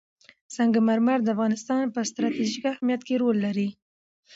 سنگ مرمر د افغانستان په ستراتیژیک اهمیت کې رول لري.